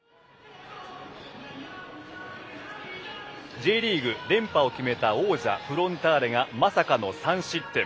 Ｊリーグ連覇を決めた王者フロンターレがまさかの３失点。